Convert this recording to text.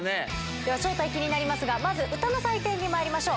正体、気になりますが、まず歌の採点にまいりましょう。